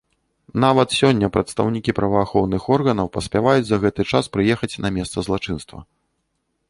Нават сёння прадстаўнікі праваахоўных органаў паспяваюць за гэты час прыехаць на месца злачынства.